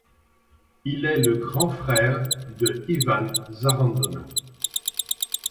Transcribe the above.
Il est le grand frère de Iván Zarandona.